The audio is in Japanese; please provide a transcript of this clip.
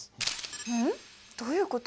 うん？どういうこと？